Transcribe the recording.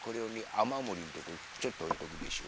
あまもりのとこにちょっとおいとくでしょ。